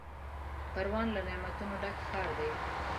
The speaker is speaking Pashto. پروان له نعمتونو ډک ښار دی.